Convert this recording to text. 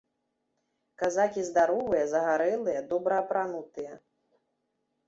Казакі здаровыя, загарэлыя, добра апранутыя.